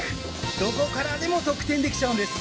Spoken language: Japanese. どこからでも得点できちゃうんです。